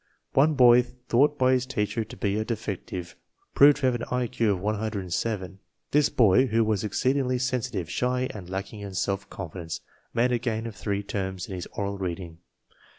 One boy, thought by his teacher to be a defective, proved to have an IQ of 107. This boy, who was exceedingly sensitive, shy, and lack ing in self confidence, made a gain of three terms in his oral reading.